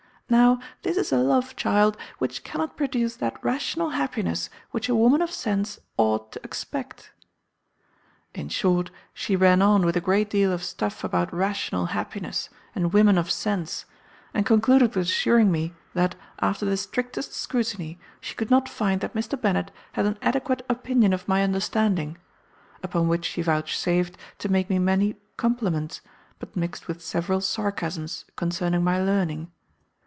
Now this is a love, child, which cannot produce that rational happiness which a woman of sense ought to expect.' In short, she ran on with a great deal of stuff about rational happiness, and women of sense, and concluded with assuring me that, after the strictest scrutiny, she could not find that Mr. Bennet had an adequate opinion of my understanding; upon which she vouchsafed to make me many compliments, but mixed with several sarcasms concerning my learning.